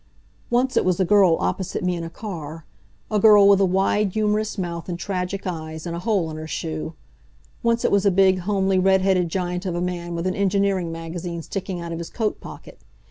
Once it was a girl opposite me in a car a girl with a wide, humorous mouth, and tragic eyes, and a hole in her shoe. Once it was a big, homely, red headed giant of a man with an engineering magazine sticking out of his coat pocket.